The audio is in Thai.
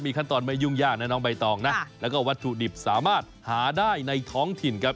ขั้นตอนไม่ยุ่งยากนะน้องใบตองนะแล้วก็วัตถุดิบสามารถหาได้ในท้องถิ่นครับ